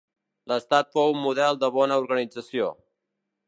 L'estat fou un model de bona organització.